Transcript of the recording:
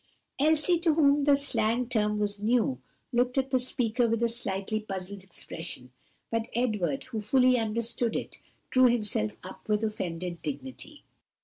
Elsie, to whom the slang term was new, looked at the speaker with a slightly puzzled expression; but Edward, who fully understood it, drew himself up with offended dignity.